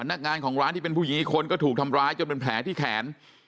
นักงานของร้านที่เป็นผู้หญิงอีกคนก็ถูกทำร้ายจนเป็นแผลที่แขน